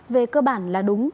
về cơ bản là đúng